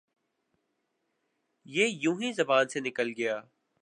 یہ یونہی زبان سے نکل گیا